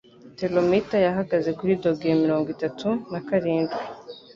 Therometero yahagaze kuri dogere mirongo itatu n'akarindwi.